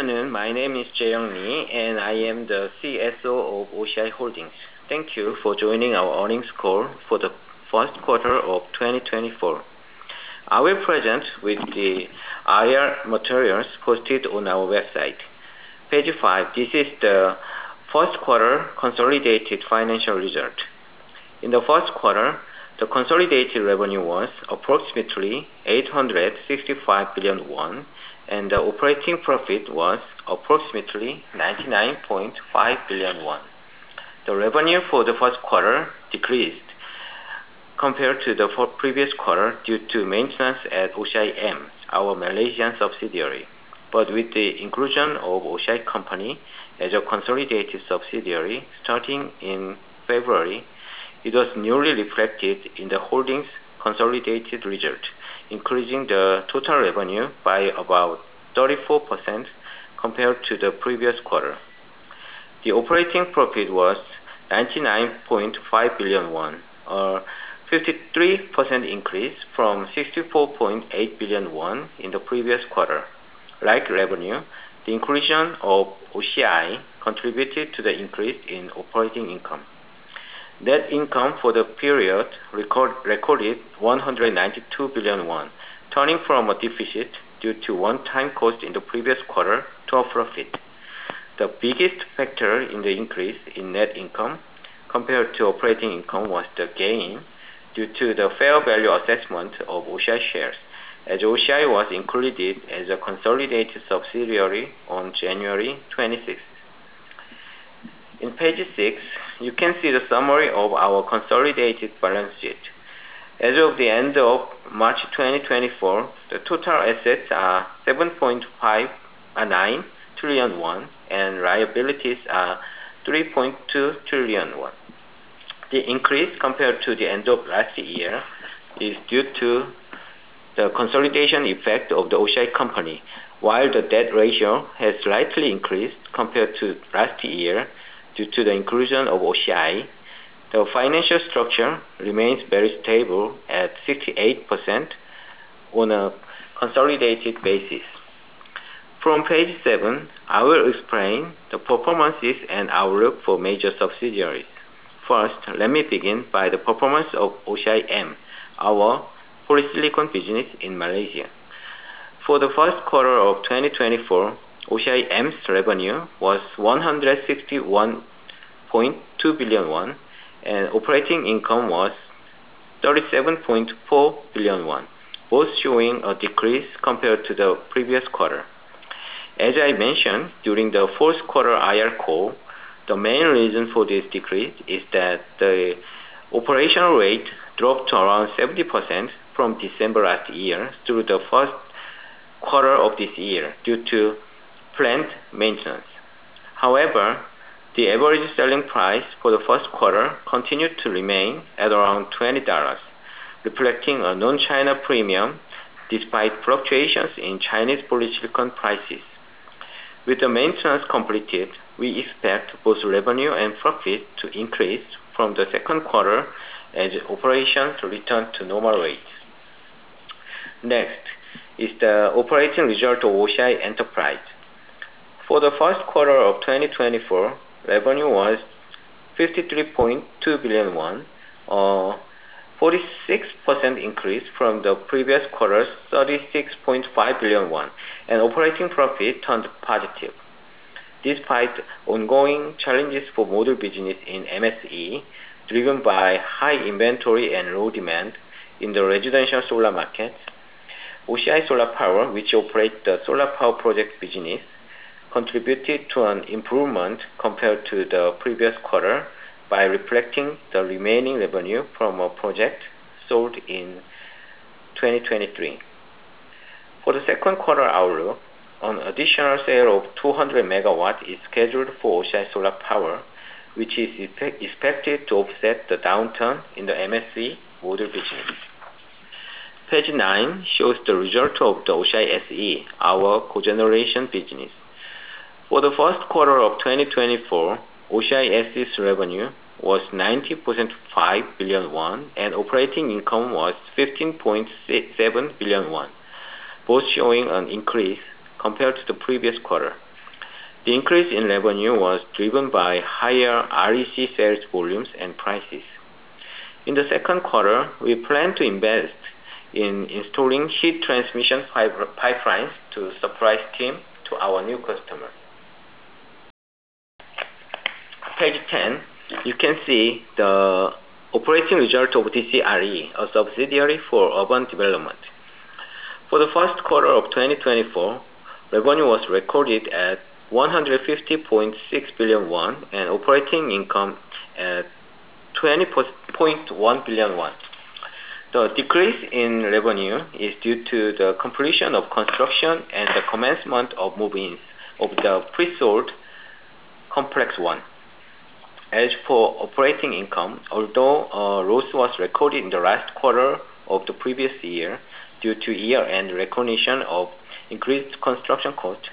My name is Jae Yong Lee, I am the CSO of OCI Holdings. Thank you for joining our earnings call for the first quarter of 2024. I will present with the IR materials posted on our website. Page 5, this is the first quarter consolidated financial result. In the first quarter, the consolidated revenue was approximately 855 billion won, and the operating profit was approximately 99.5 billion won. The revenue for the first quarter decreased compared to the previous quarter due to maintenance at OCIM, our Malaysian subsidiary. With the inclusion of OCI Company as a consolidated subsidiary starting in February, it was newly reflected in the Holdings consolidated result, increasing the total revenue by about 34% compared to the previous quarter. The operating profit was 99.5 billion won, a 53% increase from 64.8 billion won in the previous quarter. Like revenue, the inclusion of OCI contributed to the increase in operating income. Net income for the period recorded 192 billion won, turning from a deficit due to one-time cost in the previous quarter to a profit. The biggest factor in the increase in net income compared to operating income was the gain due to the fair value assessment of OCI shares, as OCI was included as a consolidated subsidiary on January 26. In page 6, you can see the summary of our consolidated balance sheet. As of the end of March 2024, the total assets are 7.59 trillion won, and liabilities are 3.2 trillion won. The increase compared to the end of last year is due to the consolidation effect of the OCI Company. While the debt ratio has slightly increased compared to last year due to the inclusion of OCI, the financial structure remains very stable at 68% on a consolidated basis. From page 7, I will explain the performances and outlook for major subsidiaries. First, let me begin by the performance of OCIM, our polysilicon business in Malaysia. For the first quarter of 2024, OCIM's revenue was 161.2 billion won, and operating income was 37.4 billion won, both showing a decrease compared to the previous quarter. As I mentioned during the fourth quarter IR call, the main reason for this decrease is that the operational rate dropped to around 70% from December last year through the first quarter of this year due to plant maintenance. However, the average selling price for the first quarter continued to remain at around $20, reflecting a non-China premium despite fluctuations in Chinese polysilicon prices. With the maintenance completed, we expect both revenue and profit to increase from the second quarter as operations return to normal rates. Next is the operating result of OCI Enterprises. For the first quarter of 2024, revenue was 53.2 billion won, a 46% increase from the previous quarter's 36.5 billion won, and operating profit turned positive. Despite ongoing challenges for module business in Mission Solar Energy, driven by high inventory and low demand in the residential solar market, OCI Solar Power, which operates the solar power project business, contributed to an improvement compared to the previous quarter by reflecting the remaining revenue from a project sold in 2023. For the second quarter outlook, an additional sale of 200MW is scheduled for OCI Solar Power, which is expected to offset the downturn in the Mission Solar Energy module business. Page 9 shows the result of the OCI SE, our cogeneration business. For the first quarter of 2024, OCI SE's revenue was 90.5 billion won, and operating income was 15.7 billion won, both showing an increase compared to the previous quarter. The increase in revenue was driven by higher REC sales volumes and prices. In the second quarter, we plan to invest in installing heat transmission pipe-pipelines to supply steam to our new customers. Page 10, you can see the operating result of DCRE, a subsidiary for urban development. For the first quarter of 2024, revenue was recorded at 150.6 billion won and operating income at 20.1 billion won. The decrease in revenue is due to the completion of construction and the commencement of move-ins of the pre-sold complex one. As for operating income, although loss was recorded in the last quarter of the previous year due to year-end recognition of increased construction costs,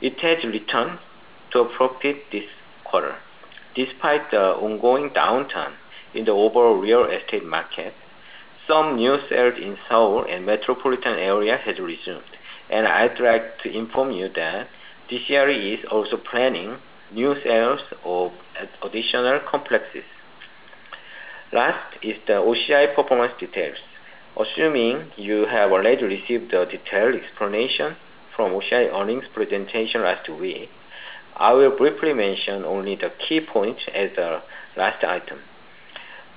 it has returned to a profit this quarter. Despite the ongoing downturn in the overall real estate market. Some new sales in Seoul and metropolitan area has resumed. I'd like to inform you that DCRE is also planning new sales of additional complexes. Last is the OCI performance details. Assuming you have already received the detailed explanation from OCI earnings presentation last week, I will briefly mention only the key points as a last item.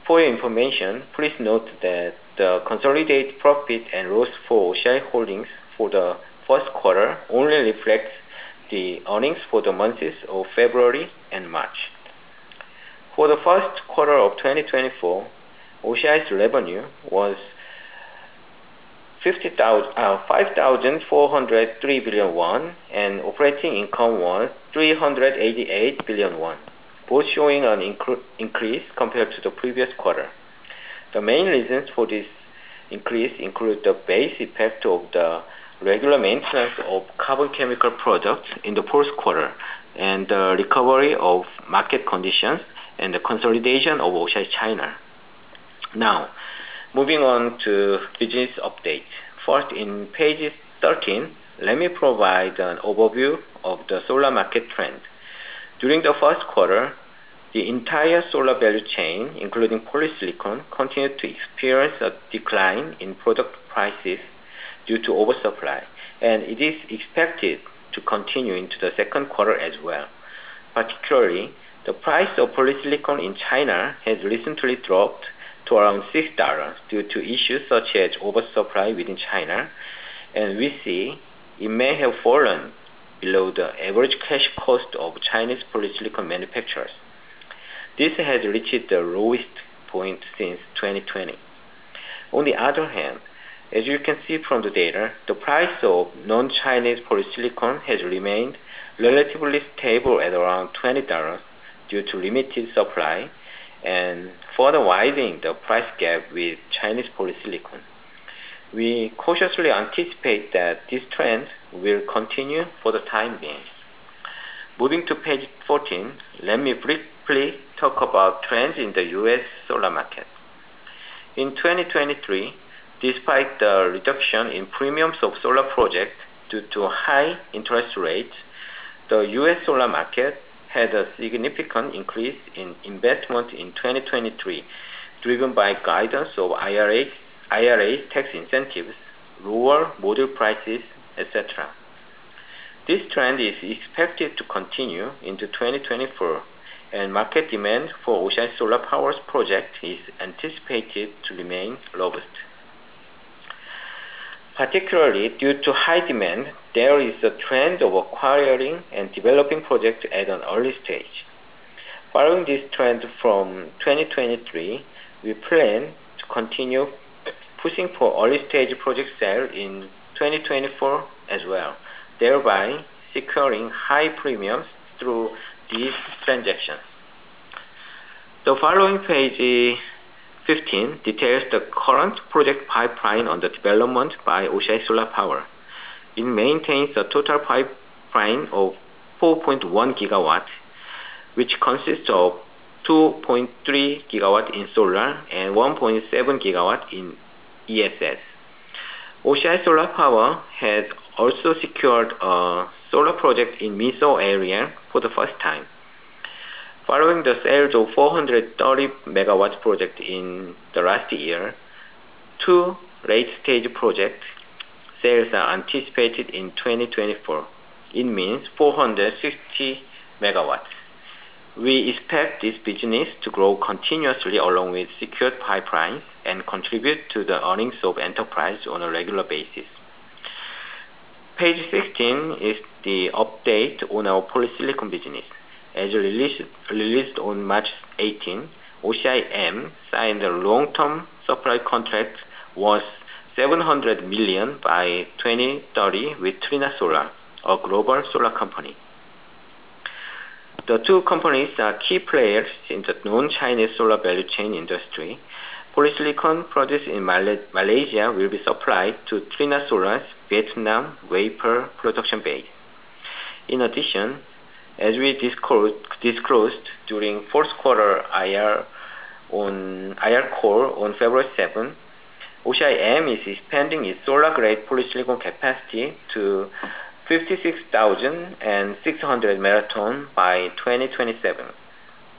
For your information, please note that the consolidated profit and loss for OCI Holdings for the first quarter only reflects the earnings for the months of February and March. For the first quarter of 2024, OCI's revenue was 5,403 billion won, and operating income was 388 billion won, both showing an increase compared to the previous quarter. The main reasons for this increase include the base effect of the regular maintenance of carbon chemical products in the first quarter and the recovery of market conditions and the consolidation of OCI China. Moving on to business update. First, in page 13, let me provide an overview of the solar market trend. During the first quarter, the entire solar value chain, including polysilicon, continued to experience a decline in product prices due to oversupply, and it is expected to continue into the second quarter as well. Particularly, the price of polysilicon in China has recently dropped to around $6 due to issues such as oversupply within China, and we see it may have fallen below the average cash cost of Chinese polysilicon manufacturers. This has reached the lowest point since 2020. On the other hand, as you can see from the data, the price of non-Chinese polysilicon has remained relatively stable at around $20 due to limited supply and further widening the price gap with Chinese polysilicon. We cautiously anticipate that this trend will continue for the time being. Moving to page 14, let me briefly talk about trends in the U.S. solar market. In 2023, despite the reduction in premiums of solar projects due to high interest rates, the U.S. solar market had a significant increase in investment in 2023, driven by guidance of IRA tax incentives, lower module prices, etc. This trend is expected to continue into 2024, and market demand for OCI Solar Power's project is anticipated to remain robust. Particularly due to high demand, there is a trend of acquiring and developing projects at an early stage. Following this trend from 2023, we plan to continue pushing for early-stage project sale in 2024 as well, thereby securing high premiums through these transactions. The following page, 15, details the current project pipeline under development by OCI Solar Power. It maintains a total pipeline of 4.1GW, which consists of 2.3GW in Solar and 1.7GW in ESS. OCI Solar Power has also secured solar projects in MISO area for the first time. Following the sales of 430MW project in the last year, two late-stage project sales are anticipated in 2024. It means 460MW. We expect this business to grow continuously along with secured pipelines and contribute to the earnings of enterprise on a regular basis. Page 16 is the update on our polysilicon business. As released on March 18th, OCIM signed a long-term supply contract worth 700 million by 2030 with Trina Solar, a global solar company. The two companies are key players in the non-China solar value chain industry. Polysilicon produced in Malaysia will be supplied to Trina Solar's Vietnam wafer production base. In addition, as we disclosed during fourth quarter IR call on February 7th, OCIM is expanding its solar grade polysilicon capacity to 56,600 metric tons by 2027.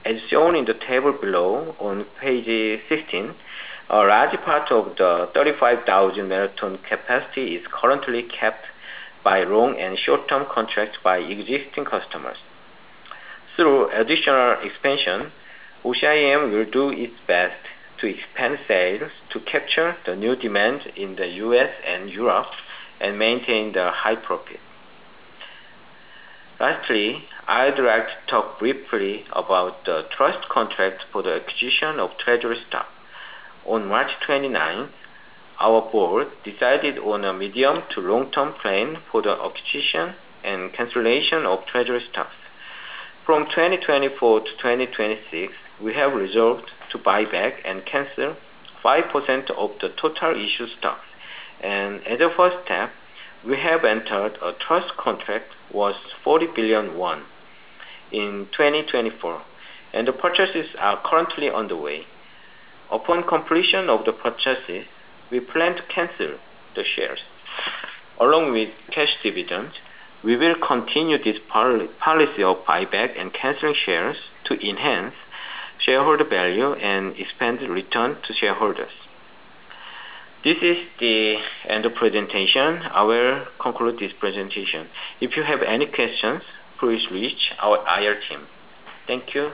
As shown in the table below on page 16, a large part of the 35,000 metric tons capacity is currently kept by long and short-term contracts by existing customers. Through additional expansion, OCIM will do its best to expand sales to capture the new demands in the U.S. and Europe and maintain the high profit. Lastly, I'd like to talk briefly about the trust contract for the acquisition of treasury stock. On March 29th, our board decided on a medium to long-term plan for the acquisition and cancellation of treasury stocks. From 2024 to 2026, we have resolved to buy back and cancel 5% of the total issued stock. As a first step, we have entered a trust contract worth 40 billion won in 2024, and the purchases are currently underway. Upon completion of the purchases, we plan to cancel the shares. Along with cash dividends, we will continue this policy of buyback and cancel shares to enhance shareholder value and expand return to shareholders. This is the end of presentation. I will conclude this presentation. If you have any questions, please reach our IR team. Thank you.